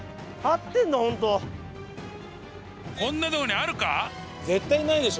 こんなとこにあるか？